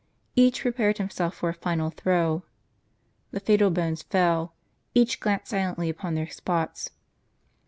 Each prepared himself for a final throw. The fatal bones fell ; each glanced silently upon their spots.